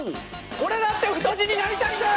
俺だって太字になりたいんだよ！